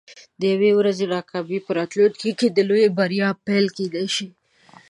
د یوې ورځې ناکامي په راتلونکي کې د لویې بریا پیل کیدی شي.